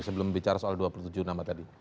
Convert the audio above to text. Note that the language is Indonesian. sebelum bicara soal dua puluh tujuh nama tadi